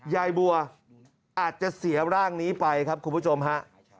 ยายบัวอาจจะเสียร่างนี้ไปครับคุณผู้ชมฮะ